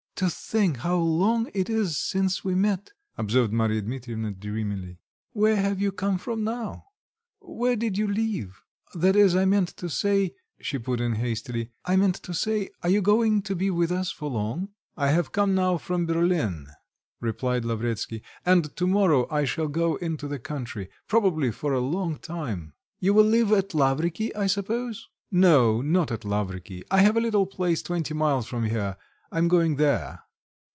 "To think how long it is since we met!" observed Marya Dmitrievna dreamily. "Where have you come from now? Where did you leave... that is, I meant to say," she put in hastily, "I meant to say, are you going to be with us for long?" "I have come now from Berlin," replied Lavretsky, "and to morrow I shall go into the country probably for a long time." "You will live at Lavriky, I suppose?" "No, not at Lavriky; I have a little place twenty miles from here: I am going there."